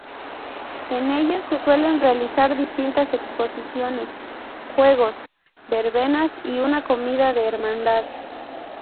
En ella se suelen realizar distintas exposiciones, juegos, verbenas y una comida de hermandad.